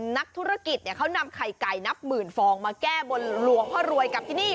นักธุรกิจเขานำไข่ไก่นับหมื่นฟองมาแก้บนหลวงพ่อรวยกับที่นี่